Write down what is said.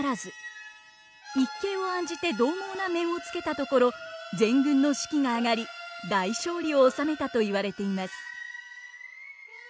一計を案じて獰猛な面をつけたところ全軍の士気が上がり大勝利を収めたと言われています。